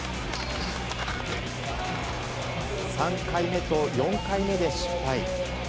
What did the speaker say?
３回目と４回目で失敗。